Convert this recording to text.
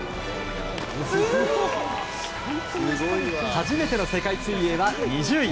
初めての世界水泳は２０位。